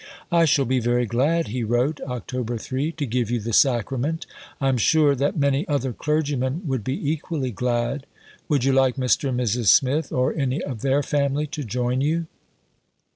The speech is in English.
"I shall be very glad," he wrote (Oct. 3), "to give you the Sacrament. I am sure that many other clergymen would be equally glad. Would you like Mr. and Mrs. Smith, or any of their family, to join you?"